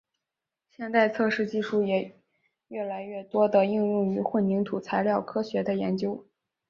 现代测试技术也越来越多地应用于混凝土材料科学的研究。